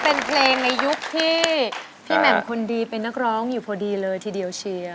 เป็นเพลงในยุคที่พี่แหม่มคนดีเป็นนักร้องอยู่พอดีเลยทีเดียวเชียร์